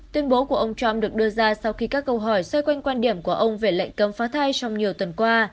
tuyên bố của ông trump được đưa ra sau khi các câu hỏi xoay quanh quan điểm của ông về lệnh cấm phá thai trong nhiều tuần qua